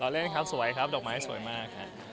ลาเล่นครับสวยครับดอกไม้สวยมาก